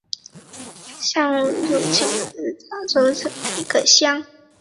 苏鲁乡是中国青海省玉树藏族自治州杂多县下辖的一个乡。